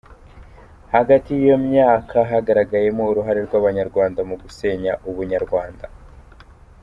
Hagati y’iyo myaka hagaragayemo uruhare rw’Abanyarwanda mu gusenya ubunyarwanda.